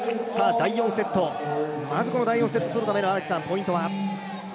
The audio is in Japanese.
第４セット、まず第４セットを取るためのポイントは？